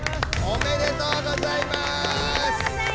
おめでとうございます！